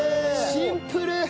シンプル！